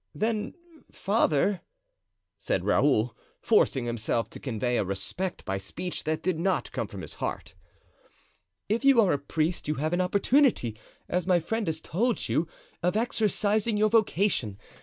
"Then, father," said Raoul, forcing himself to convey a respect by speech that did not come from his heart, "if you are a priest you have an opportunity, as my friend has told you, of exercising your vocation.